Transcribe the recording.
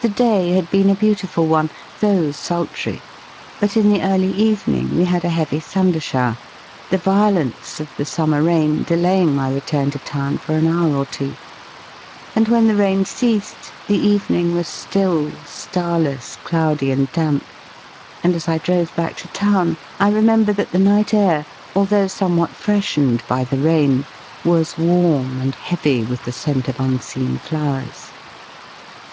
The day had been a beautiful one, though sultry; but in the early evening we had a heavy thunder shower, the violence of the summer rain delaying my return to town for an hour or two; and when the rain ceased, the evening was still starless, cloudy, and damp; and as I drove back to town I remember that the night air, although somewhat freshened by the rain, was warm, and heavy with the scent of unseen flowers.